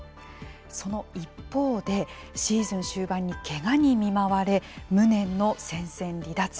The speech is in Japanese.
その一方でシーズン終盤にけがに見舞われ無念の戦線離脱。